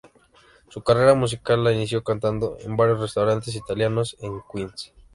Su carrera musical la inició cantando en varios restaurantes italianos en Queens.